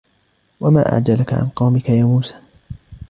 وَمَا أَعْجَلَكَ عَنْ قَوْمِكَ يَا مُوسَى